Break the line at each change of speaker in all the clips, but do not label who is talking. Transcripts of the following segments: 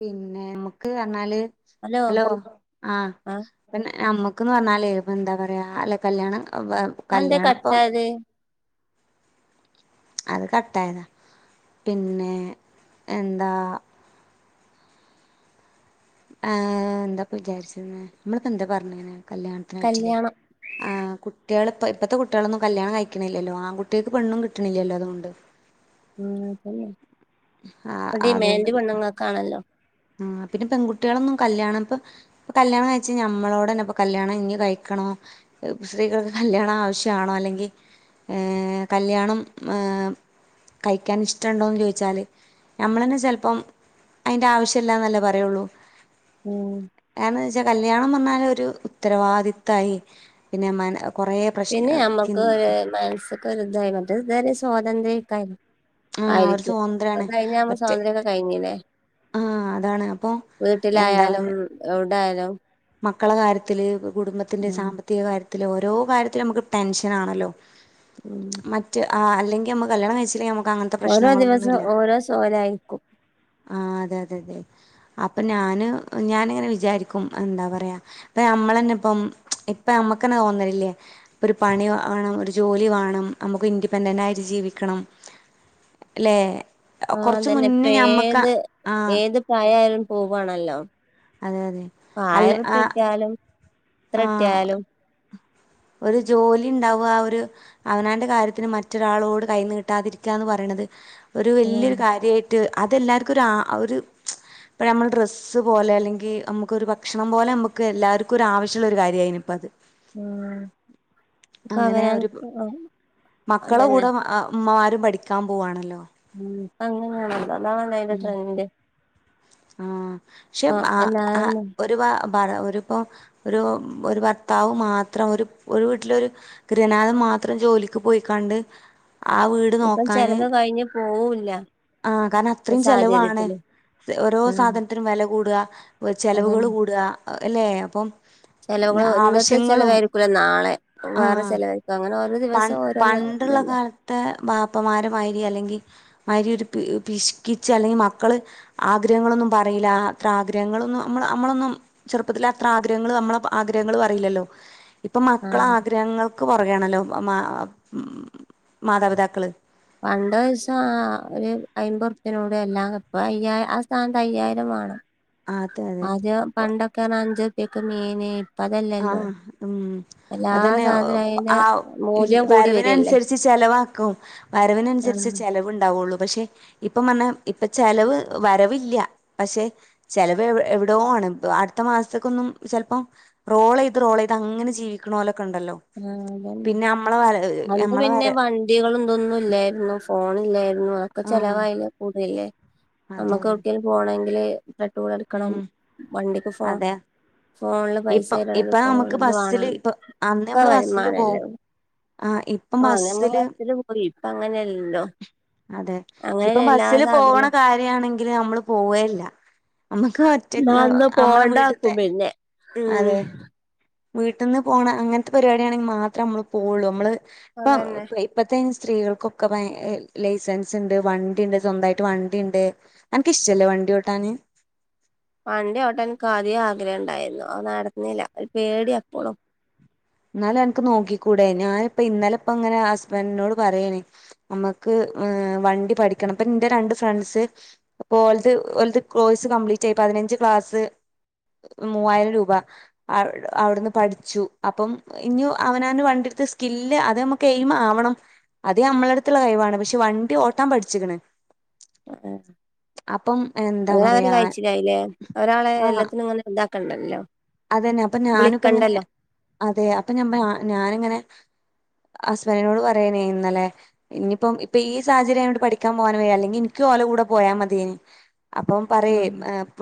പിന്നെ നമ്മുക്ക് പറഞ്ഞാല് ഹലോ ആഹ് പിന്നെ നമ്മുക്ക്ന്ന് പറഞ്ഞാലേ ഇപ്പ എന്താ പറയാ അല്ല കല്യാണം
അന്തെ
കല്യാണം ഇപ്പം
കട്ടായത്
അത് കട്ടായതാ പിന്നെ എന്താ ആഏർ എന്താപ്പ വിചാരിച്ച നമ്മളക്ക എന്താ പറഞ്ഞനെ കല്യാണത്തിനന് പറ്റിയല്ലെ
കല്യാണം
ആ കുട്ടികൾ ഇപ്പ ഇപ്പഴത്തെ കുട്ടികളൊന്നും കല്യാണം കഴിക്കണില്ലല്ലോ ആൺ കുട്ടികൾക്ക് പെണ്ണും കിട്ടണില്ലല്ലോ അതുകൊണ്ട്
ഉ അതന്നെ
ആഹ്
ഡിമാൻഡ് പെണ്ണുങ്ങൾക്കാണല്ലോ
ആഹ് പിന്നെ പെൺകുട്ടികളൊന്നും കല്യാണം ഇപ്പൊ ഇപ്പ കല്ണം കഴി നമ്മളോട്ന്നെ ഇപ്പ കല്യാണം ഇനി കഴിക്കണോ സ്ത്രീകൾക്ക് കല്യാണം ആവശ്യമാണോ അല്ലെങ്കിൽ എഹ് കല്യാണം മ് കഴിക്കാൻ ഇഷ്ടണ്ടോന്ന് ചോദിച്ചാല് നമ്മള തന്നെ ചിലപ്പം അതിന്റെ ആവശ്യ ഇല്ലന്നല്ലേ പറയുള്ളൂ
ഉം
കാരണംന്നു വെച്ചാ കല്യാണം വന്നാൽ ഒരു ഉത്തരവാദിത്തായി പിന്നെ മന കൊറേ
പിന്നെ
പ്രശ്ന ചിൻ
നമ്മക്ക് ഒരു മനസ്സൊക്ക ഒരുതായി മറ്റേ ഇ സ്വാതന്ത്ര്യക്ക
ആ ഒരു
ആയിരിക്കും
സ്വാതന്ത്ര്യമാണ്
അത് കഴിഞ്ഞു
ഒറ്റ
സ്വാതന്ത്ര്യംക്കെ കഴിഞ്ഞില്ലേ
ആ അതാണ് അപ്പൊ എന്താ
വീട്ടിലായാലും
പറയാ
എവിടായാലും
മക്കളെ കാര്യത്തില് കുടുംബത്തിന്റെ
ഉം
സാമ്പത്തിക കാര്യത്തില് ഓരോ കാര്യത്തിലും നമുക്ക് ടെൻഷൻ ആണല്ലോ
ഉം
മറ്റ് അഹ് അല്ലെങ്കി നമ്മ കല്യാണം കഴിച്ചില്ലെങ്കി നമ്മക്ക് അങ്ങനെ
ഓരോ ദിവസം ഓരോസോയാൽ ആ യിരിക്കും
ആഹ് അതെ അതെ അതെ അപ്പൊ ഞാന് ഞാനങ്ങനെ വിചാരിക്കും എന്താ പറയാ ഇപ്പ നമ്മളന്നെ ഇപ്പം ഇപ്പ നമ്മക്ക്ന്നെ തോന്നലില്ലേ ഒരു പണി വേണം ഒരു ജോലി വേണം നമുക്ക് ഇൻഡിപെൻഡൻറ് ആയിട്ട് ജീവിക്കണം അല്ലേ
ആഹ്
കുറച്ച്
അതന്നെ ഇപ്പ
മുന്നേ ഞമ്മക്ക്
ഏത്
ആഹ്
ഏത് പ്രായായാലും പോവാണല്ലോ
അതെ അതെ
പ്പ
അല്ല ആ
ആയിരറുപ്യ കിട്ടിയാലും
ആ
ത്രട്ടിയാലും
ഒരു ജോലി ഉണ്ടാവുക ഒരു അവനാന്റെ കാര്യത്തിന് മറ്റൊരാളോട് കൈനീട്ടാതിരിക്കുകന്ന് പറയണത് ഒരു വലിയൊരു
അതന്നെ
കാര്യമായിട്ട് ട്ട് അതെല്ലർക്കും ഒരു ആ ഒരു ഇപ്പ നമ്മ ഡ്രസ്സ് ഡ്രസ്സ് പോലെ അല്ലെങ്കിൽ നമുക്കൊരു ഭക്ഷണം പോലെ നമുക്ക് എല്ലാവർക്കും ഒരു ആവശ്യുള്ള ഒരു കാര്യമായിരിക്കുന്നു ഇപ്പം അത്
ഉം ഒക്കെ
അങ്ങനെ ഒരു
അവനാൻക്ക്
മക്കള
അതന്നെ
കൂടെ വ ഉമ്മമാരും പഠിക്കാൻ പോവാണല്ലോ
ഉം ഇപ്പ അങ്ങനെയാണ അതാണ് അയ്ന്റെ ട്രെൻഡ്
ആ പക്ഷെ
അപ്പ
ആ- ആ-
ഞാന്
ഒരു പ്പോ ഒരു ഭർത്താവ് മാത്രം ഒരു വീട്ടില് ഒരു ഗൃഹനാഥൻ മാത്രം ജോലിക്ക് പോയിക്കണ്ട് ആ വീട്
ഇപ്പൊ
നോക്കാൻ
ചെലവ് കഴിഞ്ഞ് പോവില്ല
ആഹ് കാരണം അത്രയും ചെലവാണ് ഓരോ
ഉം
സാധനത്തിനും വില കൂടുക ചെലവുകൾ
അതന്നെ
കൂടുക അല്ലേ അപ്പം
എല്ലാംകൂടെ ഇന്നത്തെ ചെലവുകൾ
ആവശ്യങ്ങളും
ചെലവായിരിക്കൂല്ല നാളെ വേറെ
ആഹ്
ചിലവായിരിക്കും അങ്ങനെ ഓരോ ദിവസം ഓരോന്ന് ഇതല്ലേ
ത്തെ വാപ്പമാരെ മാതിരി അല്ലെങ്കിൽ ഒരുമാരി ഒരു പിശുക്കിച് അല്ലെങ്കിൽ മക്കൾ ആഗ്രഹങ്ങളൊന്നും പറയില്ല അത്ര ആഗ്രഹങ്ങളൊന്നും നമ്മൾ നമ്മളൊന്നും ചെറുപ്പത്തില് അത്ര ആഗ്രഹങ്ങൾ നമ്മളെ ആഗ്രഹങ്ങൾ പറയില്ലല്ലോ ഇപ്പൊ മക്കള
ആഹ്
ആഗ്രഹങ്ങൾക്ക് പുറകയാണല്ലോ മാതാപിതാക്കള്
പണ്ട് ദിവസം ആ ഒരു അയമ്പരുപ്യയിലൂടെ എല്ലാം കിട്ടും ഇപ്പൊ അയ്യായി ആ സ്ഥാനത്ത് അയ്യായിരം വേണം
അതെ
അത്
അതെ
പണ്ടൊക്കെ ന അഞ്ച് റുപ്പിക്ക് മീന് പ്പ അതല്ലല്ലോ
ആഹ് ഉം
എല്ലാ
അതന്നെ
സാധനോം അയ്ന് മൂല്യം കൂടി വരല്ലേ
ചിലവാക്കും വരവിനനുസരിച്ച്
ആഹ്
ചെലവ് ഉണ്ടാവുള്ളൂ പക്ഷെ ഇപ്പ പറഞ്ഞാ ഇപ്പൊ ചെലവ് വരവില്ല പക്ഷെ ചെലവ് എവിടെയോ ആണ്, ഇപ്പ അടുത്ത മാസത്തക്കൊന്നും ചെലപ്പോ റോൾ യെത്റോൾ യ്ത്അങ്ങനെ ജീവിക്കണോലോക്ക ഉണ്ടല്ലോ
ആഹ് അതന്നെ
പിന്നെ നമ്മളെ വര നമ്മളെ വര
കുട്ടികളും ഇതൊന്നും ഇല്ലായിരുന്നു ഫോൺ ഇല്ലായിരുന്നു അതൊക്കെ
ആഹ്
ചെലവായില് കൂടുവല്ലേ
അതെ
നമ്മുക്ക്
അതെ
എവിടേക്കേലും പോണമെങ്കില് പെട്രോൾ അടിക്കണം
ഉം
വണ്ടിക്ക് പോണം
അതെ
ഫോണില് പൈസ
ഇപ്പൊ
ഇടണങ്കിൽ
ഇപ്പൊ
ഫോണിൽ
നമുക്ക്
ഇത്
ബസ്സില്
വേണം
ഇപ്പൊ അന്ന് നമ്മള് ബസ്സില് പോവും
വരുമാനല്ലേ
ആഹ് ഇപ്പം
ആഹ ഞമ്മ
ബസ്സില്
[inaudible] പോയി ഇപ്പ അങ്ങനെയല്ലോ
അതെ ഇപ്പൊ ബസ്സില് പോവണ
സാധനവും
കാര്യമാണെങ്കില് നമ്മള് പോവേല്ല നമ്മുക്ക് മുറ്റ
നടന്ന്
നമ്മളെ
പോണ്ടാക്കും
വീട്ടത്തെ
പിന്നെ ഉം
അതെ വീട്ടിൽന്ന് പോണ അങ്ങനത്തെ പരിപാടിണെങ്കിൽ മാത്രമേ നമ്മള് പോവുള്ളൂ നമ്മള് ഇപ്പ
അതന്നെ
ഇപ്പത്ത സ്ത്രീകൾക്കൊക്കെ ഭയങ്ക ലൈസൻസ് ഉണ്ട് വണ്ടി ഉണ്ട് സ്വന്തമായിട്ട് വണ്ടിണ്ട് അൻക്ക് ഇഷ്ടല്ലേ വണ്ടിഒട്ടാന്
വണ്ടിഒട്ടാന് എനിക്ക് ആദ്യ ആഗ്രഹം ഉണ്ടായിരുന്നു അത് നടുന്നില്ല ഒരു പേടിയ എപ്പോഴും
എന്നാലും അനിക്ക് നോക്കിക്കൂടെ ഞാനിപ്പ ഇന്നലെ ഇപ്പ ഇങ്ങനെ ഹസ്ബൻഡിനോട് പറയാണ് നമ്മുക്ക് വണ്ടി പഠിക്കണം അപ്പ എന്റെ രണ്ട് ഫ്രണ്ട്സ് അപ്പോ ഓൽത് കോഴ്സ് കംപ്ലീറ്റ് ആയി പതിനഞ്ച് ക്ലാസ് മൂവായിരം രൂപ അവി അവിടുന്ന് പഠിച്ചു അപ്പം ഇനി അവനു വണ്ടിടുത്ത് സ്കില്ല് അത് നമുക്ക് എയിമ്ആവണം അതേ നമ്മള അടുത്തുള്ള കഴിവാണ് പക്ഷെ വണ്ടി ഓട്ടാം പഠിച്ചിക്കണ്
അതേ
അപ്പം എ
[unintelligible] കഴിച്ചില്ലായില്ലേ ഒരാളെ എല്ലാത്തിനും ഇങ്ങനെ ഇതാക്കണ്ടല്ലോ
അത് തന്നെ അപ്പൊ ഞാനിപ്പ ഇങ്ങനെ
വിളിക്കണ്ടല്ലോ
അതെ അപ്പൊ ഞ ഞാനിങ്ങനെ ഹസ്ബൻഡിനോട് പറയാനേ ഇന്നലെ ഇനിയിപ്പം ഇപ്പൊ ഈ സാഹചര്യം ആയോണ്ട് പഠിക്കാൻ പോകൻ വയ്യാ അല്ലെങ്കി എനിക്കുംഓല കൂടെ പോയാൽ മതിയന് അപ്പം പറയ
ആ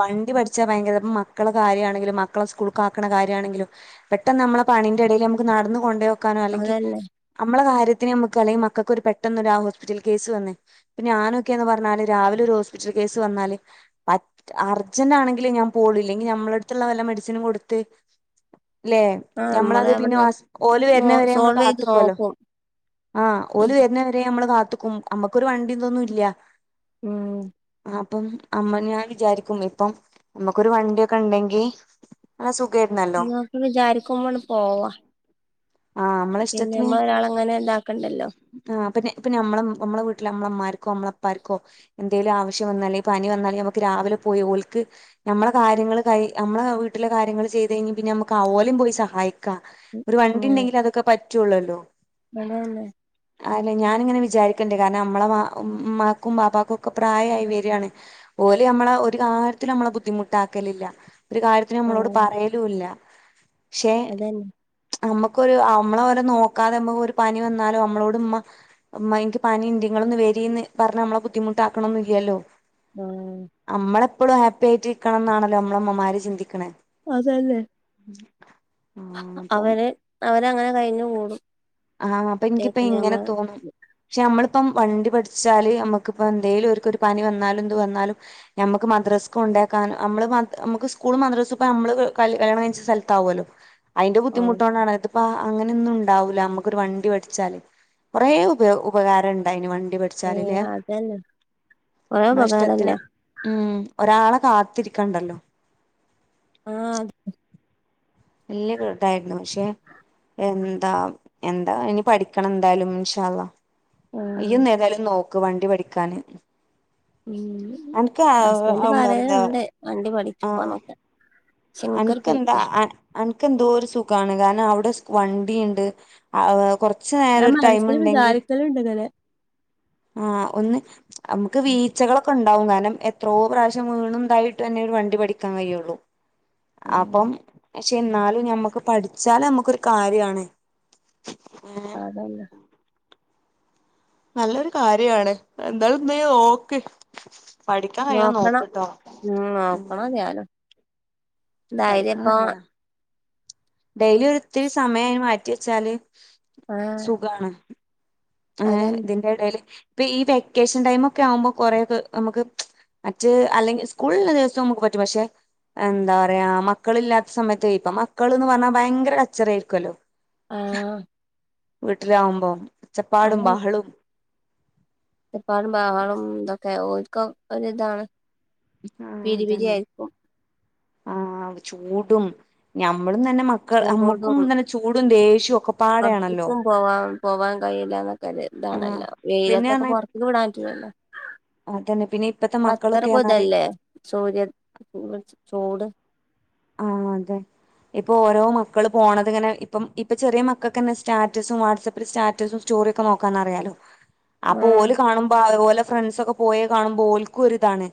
വണ്ടി പഠിച്ചാ ഭയങ്കര ഇപ്പ മക്കള കാര്യണെങ്കിലും മക്കളെ സ്കൂൾക്ക ആക്കണ കാര്യണെങ്കിലും പെട്ടെന്ന് നമ്മള പണിന്റെ ഇടയിൽ നമുക്ക് നടന്ന് കൊണ്ടുക്കാനോ ങ്കിൽ
അതന്നെ
നമ്മളെ കാര്യത്തിന് നമുക്ക് അല്ലെങ്കിൽ മക്കൾക്ക് ഒരു പെട്ടെന്നൊരു ആ ഹോസ്പിറ്റലിൽ കേസ് വന്നേ പിന്നെ ഞാനൊക്കെന്ന് പറഞ്ഞാല് രാവിലെ ഒരു ഹോസ്പിറ്റൽ കേസ് വന്നാല് പറ്റ അർജന്റ് ആണെങ്കില് ഞാൻ പോവ്ളൂ ഇല്ലെങ്കി ഞമ്മുടെ അടുത്തുള്ള വല്ല മെഡിസിനും കൊടുത്ത് ല്ലെ
ആ നമ്മള്
നമ്മളത് പിന്നെ
അവിടെ
ഓല്
നോ
വരുന്നവരെ നമ്മള്
സോൾവ് ചെയ്ത്
കാത്ത്ക്കുവല്ലോ
നോക്കും
ആഹ് ഓല് വരുന്ന വരെ നമ്മള് കാത്തക്കും നമ്മക്കൊരു വണ്ടി ഇതോന്നുംല്ല
ഉം
അപ്പം നമ്മ ഞാൻ വിചാരിക്കും ഇപ്പം നമ്മുക്കോരു വണ്ടിയൊക്കെ ഉണ്ടെങ്കി നല്ല സുഖ
നിങ്ങക്ക് വിചാരിക്കുമുമ്പോ ആ ണ്ട് പോവാ
ആഹ് നമ്മളെ
പിന്നെ
ഇഷ്ടത്തിന്
നമ്മ ഒരാള അങ്ങനെ ഇതാക്കണ്ടല്ലോ
ആഹ് പിന്നെ പിന്നെ നമ്മ നമ്മെ വീട്ടില് നമ്മളമ്മ്മാർക്കോ നമ്മളപ്പാര്ക്കോ എന്തേലും ആവശ്യം വന്നാലേ പനി വന്നാലേ നമക്ക് രാവിലെ പോയി ഓൽക്ക് നമ്മളെ കാര്യങ്ങൾ കൈ നമ്മെ വീട്ടിലെ കാര്യങ്ങള്ൾ ചെയ്ത് കഴിഞ്ഞ പിന്നെ നമ്മുക്ക് ഒരേയുംപോയി സഹായി ക്കാം ഒരു വണ്ടി ഉണ്ടെങ്കിലെഅതൊക്കെ പറ്റുള്ളല്ലോ
അതന്നെ
അല്ല ഞാനിങ്ങനെ വിചാരിക്കണ്ടേ കാരണം നമ്മളെ ഉമ്മക്കും ബാപ്പക്കും ഒക്കെ പ്രായായി വരിയാണ് ഓല് നമ്മളെ ഒരു കാര്യത്തിനും നമ്മളെ ബുദ്ധിമുട്ടാക്കലില്ല ഒരു കാര്യ ത്തിനും
ആ
നമ്മളോട് പറയലുംല്ല പക്ഷേ
അതന്നെ
നമ്മുക്കൊരു നമ്മളെ അവരെ നോക്കാതെ നമ്മ ഒരു പനി വന്നാലോ നമ്മളോട് ഉമ്മ ഉമ്മയ്ക്ക് പനീണ്ട് ഇങ്ങള് ഒന്ന് വരീന്ന് പർഞ്ഞാ നമ്മളെ ബുദ്ധിമുട്ടാക്കണൊന്നില്ലല്ലോ.
ആഹ്
നമ്മളെ എപ്പളും ഹാപ്പി ആയിട്ട്ക്കണം എന്നാണല്ലോ നമ്മളെ ഇമ്മമാര് ചിന്തിക്കണേ.
അതെന്നെ
ഉം
അവരെ അവരങ്ങനെ കഴിഞ്ഞ് കൂടും.
ആഹ് അപ്പ ഇൻക്കിപ്പ
ഏക്കനെ
ഇങ്ങനെ
നമ്മള്
തോന്നും. പക്ഷെ നമ്മള്പ്പം വണ്ടി പഠിച്ചാല് നമുക്ക്പ്പം എന്തേലും ഓര്ക്ക് ഒരു പനി വന്നാലും ഇതു വന്നാലും നമ്മക്ക് മദ്രസ് കൊണ്ടയക്കാനും നമ്മള് മ നമ്മക്ക് സ്കൂളും മദ്രസും പ്പ നമ്മള് ഹ് കല്യാ കല്യാണം കഴിച്ച സ്ഥലത്താവല്ലോ. അയിന്റെ
ആ
ബുദ്ധിമുട്ടോണ്ടാണ് അത് ഇപ്പ അങ്ങനെന്നും ഉണ്ടാവൂല നമ്മ ക്ക് ഒരു വണ്ടി പടിച്ചാല് കൊറേ ഉപ ഉപകാരം ണ്ടായ്നു വണ്ടി പടി
ഏ
ച്ചാലില്ലേ
അതന്നെ കൊറേ
നമ്മളെ
ഉപകാരല്ല
ഇഷ്ടത്തിന് ഉം ഒരാളെ കാത്തിരിക്കണ്ടല്ലോ.
ആഹ്
വല്ല്യ കെടയിരിന്നു പക്ഷേ എന്താ എന്താ ഇനി പഠിക്കണം എന്തായാലും ഇൻഷാ അല്ലാഹ്. യ്യ് ഒന്ന് ഏതായാലും നോക്ക് വണ്ടി പഠിക്കാന്.
ഉം
അനക്ക്
ഹസ്ബൻഡ്
എന്താ
പറയല്ണ്ട് വണ്ടി പഠിപ്പോന്നൊക്കെ.
അന്ക്കെന്താ അന അന്ക്ക് എന്തോര് സുഖാണ് കാരണം അഒടെ സ് വണ്ടിണ്ട് ആഹ് കൊറ ച്ച് നേരൊരു ടൈം ണ്ടെങ്കി
ത്തൾ ഇണ്ട് ന്നലെ
ആഹ് ഒന്ന് നമുക്ക് വീഴ്ച്ചകളൊക്കെ ണ്ടാവും കാരണം എത്രോ പ്രാവശ്യം വീണും തായിട്ടന്നെ ഒരു വണ്ടി പഠിക്കാൻ കഴിയുള്ളൂ.
ഉം
അപ്പം ക്ഷെ ന്നാലും ഞമ്മക്ക് പഠിച്ചാല് നമ്മക്കരു കാര്യാണ് ഏഹ്
അതെന്നെ
നല്ലൊരു കാര്യാണ് എന്തായാലും നീ നോക്ക്. പഠിക്കാൻ കഴിയോ
നോക്കണം
നോക്ക് ട്ടോ ഉം.
നോക്കണം ഞാനും ധൈര്യം
പഠിക്ണ്
ഇപ്പൊ
നല്ലതാ ഡെയിലി ഒര്ത്തിരി സമയം അയിന് മാറ്റിച്ചാല്
ആഹ്
സുഖാണ് അങ്ങനെ
അതന്നെ
ഇതിന്റെടേൽ ഇപ്പേ ഈ വെക്കേഷൻ ടൈമൊക്കെ ആവുമ്പോ കൊറെ [unintelligible] നമുക്ക് മറ്റ് അല്ലെങ്കി സ്കൂള് ള്ള ദിവസം നമുക്ക് പറ്റും പക്ഷെ എന്താ പറയാ മക്കളില്ലാത്ത സമയത്ത് ഇപ്പ മക്കൾന്ന് പർഞ്ഞാ ഭയങ്കര കച്ചറ ആയിരിക്കൊല്ലോ.
ആഹ്
വീട്ടിലാവുമ്പോം ഒച്ചപ്പാടും
അതന്നെ
ബഹളും
ഒച്ചപ്പാടും ബഹളും തൊക്കെ ഓര്ക്കോ ഒരിതാണ്.
ആഹ്
പിരി പിരി
അതന്നെ
ആയിരിക്കും
ആഹ് ചൂടും ഞമ്മളും തന്നെ മ ക്കൾ
ചൂടും
നമ്മുക്കും തന്നെ ചൂടും ദേഷ്യവും ഒക്കെ പാടേണല്ലോ.
പോവാ പോവാൻ കഴിയില്ലന്നൊക്കെ ഒര്
ആഹ്
താണല്ലോ
പിന്നെ
വെയിലത്തൊക്കെ
പറഞ്ഞാ
പൊറത്ത്ക്ക് വിടാൻ പറ്റൂലല്ലോ.
അതന്നെ പിന്നെ ഇപ്പത്തെ മക്കളൊക്കൊന്നാല്
സൂര്യൻ [unintelligible] ചൂട്
ആഹ് അതെ ഇപ്പൊ ഓരോ മക്കള് പോണത് ഇങ്ങനെ ഇപ്പം ഇപ്പ ചെറിയ മക്കൾക്കെന്നെ സ്റ്റാറ്റസും വാട്സ്സപ്പിൽ സ്റ്റാറ്റസും സ് സ്റ്റോറിയൊക്കെ നോക്കാനറിയാലോ. അപ്പൊ
ആഹ്
ഓല് കാണുമ്പോ ഓലെ ഫ്രണ്ട്സക്കെ പോയേ കാണുമ്പോ ഓല്ക്കും ഒര് താണ്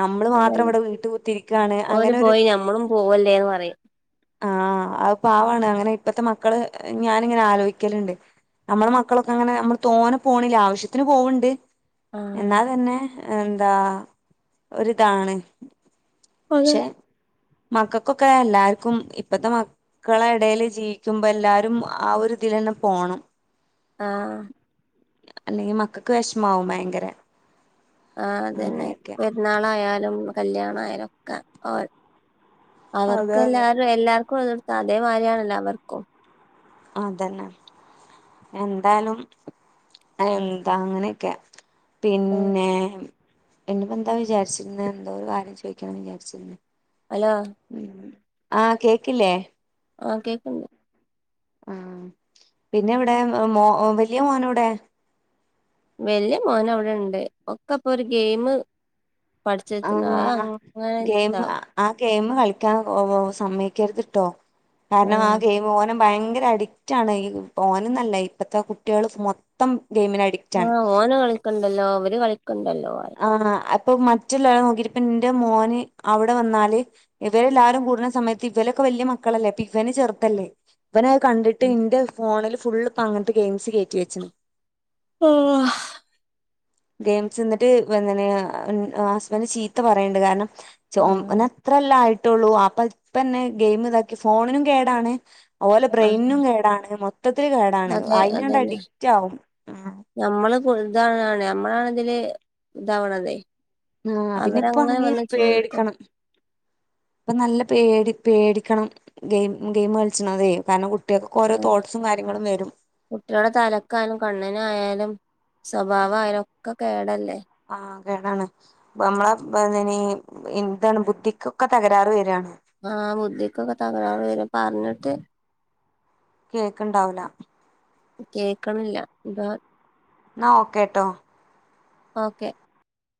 നമ്മള് മാത്രം
അതന്നെ
ഇവിടെ വീട്ട് കുത്തിരിക്കാണ്
ഓല്
അങ്ങനെരു
പോയി ഞമ്മളും പോവല്ലേന്ന് പറയും
ആഹ് അത് പാവാണ് അങ്ങനെ ഇപ്പത്തെ മക്കള് ഞാനിങ്ങനെ ആലോയിക്കല്ണ്ട് നമ്മള മക്കളൊക്കെ അങ്ങനെ നമ്മൾ തോന്നെ പോണില്ല ആവശ്യത്തിന് പോവ്ണ്ട് എന്നാ
ആഹ്
തന്നെ എന്താ ഒരിതാണ്
അതെ
മക്കക്കൊക്കെ എല്ലാർക്കും ഇപ്പത്തെ മ മക്കള എടീൽ ജീവിക്കുമ്പോ ല്ലാരും ആ ഒരു ഇതീലെന്നെ പോണം
ആഹ്
അല്ലെങ്കി മക്കക്ക് വിഷമാവും ഭയങ്കര
ആ അതന്നെ
അങ്ങനെയൊക്കെ
പെരുന്നാളായാലും കല്യാണ ആയാലും ഒക്കെ അവർ
അതെ
അവർക്ക്
അതെ
എല്ലാരും എല്ലാർക്കും ഒത കൊടുത്ത അതേമാരിയാണല്ലോ അവർക്കും
അതന്നെ എന്തായാലും അന്താ അങ്ങനെയൊക്കെ പിന്നെ പിന്നെപ്പോ ന്താ വിചാരിച്ചിരുന്ന് ന്തോ ഒര് കാര്യം ചോയികണംന്ന് വിചാരിച്ചിരുന്നു
അലോ
ഉം ആഹ് കേക്കില്ലേ
ആഹ് കേക്ക്ണ്ട്
ആഹ് പിന്നെ എവിടെ മോ വല്യ മോന എവിടെ
വല്ല്യ മോന് അവ്ടെണ്ട് ഒക്കെപ്പൊ ഒരു ഗെയിം പഠിച്ചെച്ച്ണ് അ അങ്ങനെ
ഗെയിം
ആഹ്
ആഹ് ഗെയിം കളിക്കാൻ ഓ സമ്മക്കരുത്ട്ടോ കാരണം ആ ഗെയിം ഓന ഭയങ്കര അഡിക്റ്റ് ആണ് ഈ ഓന്ന് നല്ല ഇപ്പഴത്തെ കുട്ടിയാൾ മൊത്തം ഗെയിമിന് അഡി
ആഹ് ഓന് കളിക്ക്‌ണ്ടല്ലോ അവര് കളിക്കണ്ടല്ലോ
ആഹ് അപ്പൊ മറ്റുള്ളരാളെ നോക്കിപ്പ ഇന്റെ മോന് അവിടെ വന്നാല് ഇവരെ എല്ലാരും കൂടണ സമയത്ത് ഇവലൊക്കെ വല്യ മക്കളല്ലേ അപ്പ ഇവന് ചെറുതല്ലേ ഇവനത് കണ്ടിട്ട് ഇന്റെ ഫോണിൽ ഫുള് ഇപ്പ അങ്ങനത്തെ ഗെയിംസ് കേറ്റി വെച്ചിന്
ഓ ഹ
ഗെയിംസ് ന്നിട്ട് ഇവതന്നെ ആ ഹസ്ബൻഡ് ചീത്ത പറയണ്ട് കാരണം ച
ആ
ന് അത്രല്ലെ ആയിടട്ടൊള്ളൂ അപ്പ ഇപ്പന്നെ ഗെയിം ഇതാക്കി ഫോണിനും കേടാണ് ഓലെ
ആ
ബ്രെയിനിനും കേടാണ് മൊത്തത്തില് കേടാണ്
അതെ
അതിനണ്ട്
അതന്നെ
അഡിക്റ്റ് ആവും
നമ്മള് പുള്താകാണ് നമ്മളാണ് ഇതില് ഇതാവണതെ
ആഹ് പിന്നെ ഇപ്പാണെങ്കി
ചോദിക്കും
പേടിക്കണം ഇപ്പ നല്ല പേടി പേടിക്കണം ഗെയിം ഗെയിം കളിച്ചണതേ കാരണം കു കുട്ടിയാക്ക്കൊ ഓരോ തോട്ട്സും കാര്യങ്ങളും വരും
കുട്ടിയാളെ തലക്കായാലും കണ്ണ്നായാലും സ്വഭാവ ആയാലും ഒക്ക കേടല്ലേ
ആഹ് കേടാണ് നമ്മളെ ന്താണ് ബുദ്ധിക്കൊക്കെ തകരാറ് വരാണ്
ആ ബുദ്ധിക്കൊക്കെ തകരാർ വരും പർഞ്ഞിട്ട്
കേൾക്ക്‌ണ്ടാവുല
കേക്ക്‌ണില്ല ഇബ
ന്നാ ഓക്കെ ട്ടോ
ഓക്കെ